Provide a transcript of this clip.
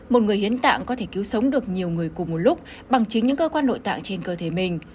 một người hiến tạng có thể cứu sống được nhiều người cùng một lúc bằng chính những cơ quan nội tạng trên cơ thể mình